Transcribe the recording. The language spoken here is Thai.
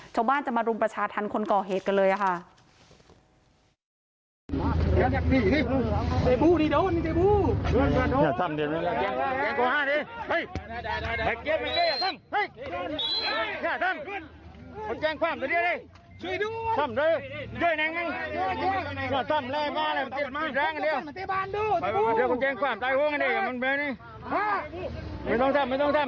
ชาวบ้านจะมารุมประชาธรรมคนก่อเหตุกันเลยค่ะ